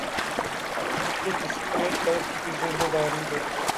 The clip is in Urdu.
یہ کسی ایک فرد کی ذمہ داری نہیں۔